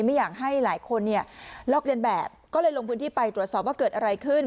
ไม่อยากให้หลายคนเนี่ยลอกเรียนแบบก็เลยลงพื้นที่ไปตรวจสอบว่าเกิดอะไรขึ้น